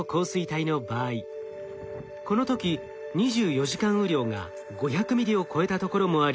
この時２４時間雨量が５００ミリを超えたところもあり